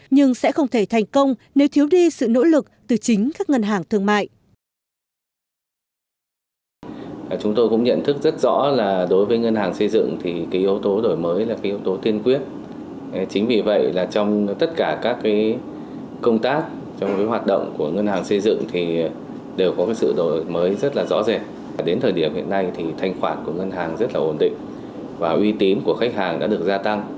nhưng sẽ không thể thành công nếu thiếu đi sự nỗ lực từ chính các ngân hàng thương mại